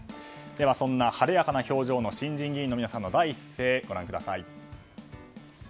そんな晴れやかな表情の新人議員の第一声ご覧ください。